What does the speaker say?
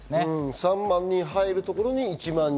３万人、入るところに１万人。